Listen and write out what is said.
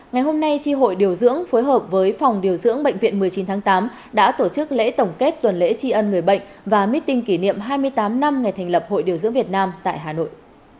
ngày hôm nay tri hội điều dưỡng phối hợp với phòng điều dưỡng bệnh viện một mươi chín tháng tám đã tổ chức lễ tổng kết tuần lễ tri ân người bệnh và meeting kỷ niệm hai mươi tám năm ngày thành lập hội điều dưỡng việt nam tại hà nội